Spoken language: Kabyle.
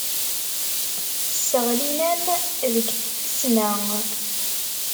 Sseɣlin-am deg tfesna.